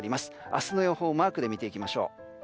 明日の予報、マークで見ていきます。